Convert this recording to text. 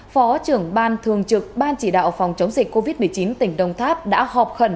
phó trưởng ban thường trực ban chỉ đạo phòng chống dịch covid một mươi chín tỉnh đồng tháp đã họp khẩn